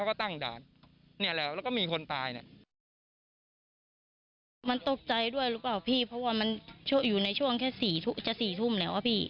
เพราะว่ามันอยู่ในช่วงแค่๔ทุ่มจะ๔ทุ่มแล้วอ่ะพี่